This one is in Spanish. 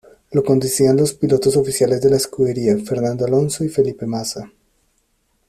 Lo conducían los pilotos oficiales de la escudería, Fernando Alonso y Felipe Massa.